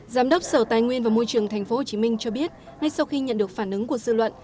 giám đốc sở tài nguyên và môi trường tp hcm cho biết ngay sau khi nhận được phản ứng của dư luận